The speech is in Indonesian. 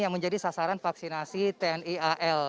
yang menjadi sasaran vaksinasi tni al